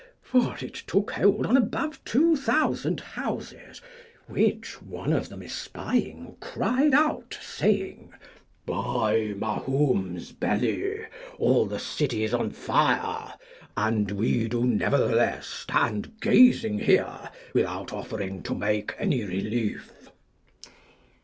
For it took hold on above two thousand houses, which one of them espying cried out, saying, By Mahoom's belly, all the city is on fire, and we do nevertheless stand gazing here, without offering to make any relief.